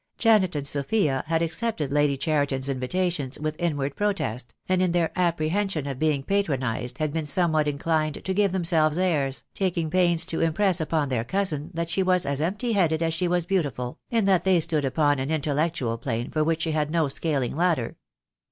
Janet and Sophia had ac cepted Lady Cheriton's invitations with inward protest, and in their apprehension of being patronized had been somewhat inclined to give themselves airs, taking pains to impress upon their cousin that she was as empty headed as she was beautiful, and that they stood upon an intel lectual plane for which she had no scaling ladder.